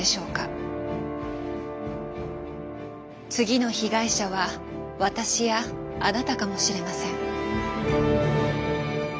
次の被害者は私やあなたかもしれません。